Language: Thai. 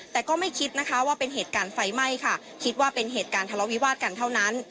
แต่ก็ไม่คิดนะคะว่าเป็นเหตุการณ์ไฟไหม้ค่ะคิดว่าเป็นเหตุการณ์ทะเลาวิวาสกันเท่านั้น